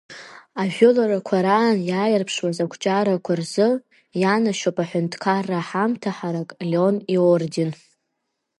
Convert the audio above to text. Ажәыларақәа раан иааирԥшуаз ақәҿиарақәа рзы ианашьоуп аҳәынҭқарра аҳамҭа ҳарак Леон иорден.